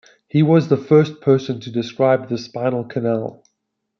He was the first person to describe the spinal canal.